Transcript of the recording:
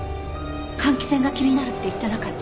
換気扇が気になるって言ってなかった？